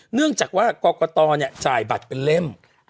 เนื่องจากว่ากรกตจ่ายบัตรเป็นเล่ม